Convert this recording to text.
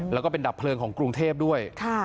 แล้วก็เป็นดับเพลิงของกรุงเทพด้วย